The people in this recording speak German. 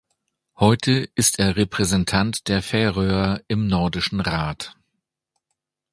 Heute ist er Repräsentant der Färöer im Nordischen Rat.